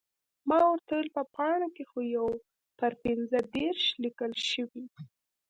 ما ورته وویل، په پاڼه کې خو یو پر پنځه دېرش لیکل شوي.